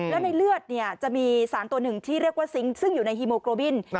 แล้วในเลือดจะมีสารตัวหนึ่งที่เรียกว่าซิงค์ซึ่งอยู่ในฮีโมโกบิน